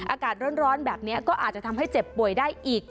อากาศร้อนแบบนี้ก็อาจจะทำให้เจ็บป่วยได้อีก